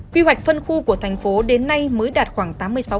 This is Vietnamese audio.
quy hoạch phân khu của thành phố đến nay mới đạt khoảng tám mươi sáu